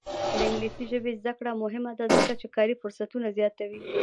د انګلیسي ژبې زده کړه مهمه ده ځکه چې کاري فرصتونه زیاتوي.